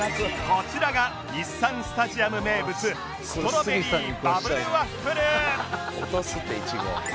こちらが日産スタジアム名物ストロベリーバブルワッフル「落とすっていちご」